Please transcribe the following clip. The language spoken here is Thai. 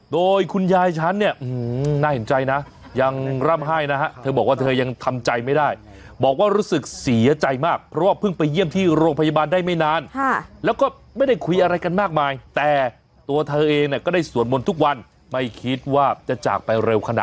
โดยคุณยายฉันเนี่ยหน้าหินใจนะยังร่ำไห้นะฮะเธอบอกว่าเธอยังทำใจไม่ได้